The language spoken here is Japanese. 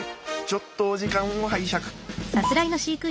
ちょっとお時間を拝借。